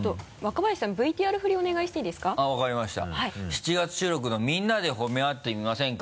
７月収録の「みんなで褒め合ってみませんか？」